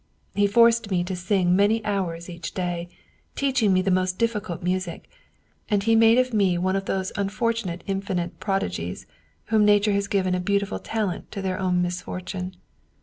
He forced me to sing many hours each day, teaching me the most difficult music, and he made of me one of those unfortunate infant prodi gies to whom nature has given a beautiful talent to their own misfortune.